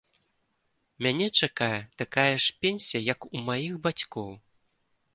Мяне чакае такая ж пенсія, як у маіх бацькоў.